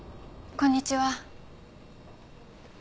こんにちは。